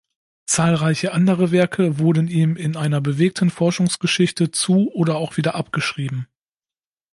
Zahlreiche andere Werke wurden ihm in einer bewegten Forschungsgeschichte zu- oder auch wieder abgeschrieben.